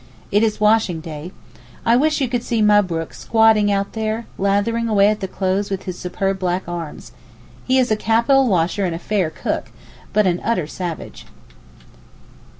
It is washing day. I wish you could see Mabrook squatting out there, lathering away at the clothes with his superb black arms. He is a capital washer and a fair cook, but an utter savage.